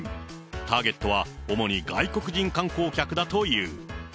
ターゲットは主に外国人観光客だという。